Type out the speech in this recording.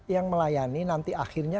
yang melayani nanti akhirnya